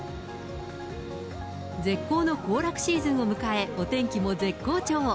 絶好の行楽シーズンを迎え、お天気も絶好調。